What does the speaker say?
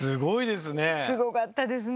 すごかったですね！